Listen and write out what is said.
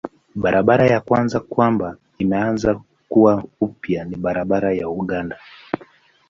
Barabara ya kwanza kwamba imeanza kuwa upya ni barabara ya Uganda.